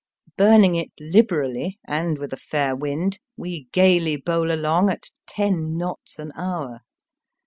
Burning it libe rally, and with a fair wind, we gaily bowl along at ten knots an hour.